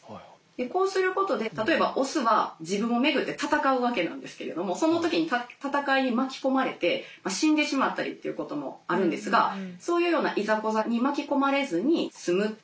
こうすることで例えばオスは自分を巡って戦うわけなんですけれどもその時に戦いに巻き込まれて死んでしまったりっていうこともあるんですがそういうようないざこざに巻き込まれずに済むって。